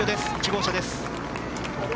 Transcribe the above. １号車です。